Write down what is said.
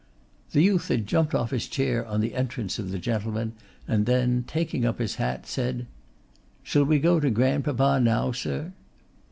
The youth had jumped off his chair on the entrance of the gentleman, and then taking up his hat, said: 'Shall we go to grandpapa now, sir?